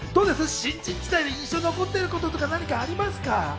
新人時代に印象に残っていることとかありますか？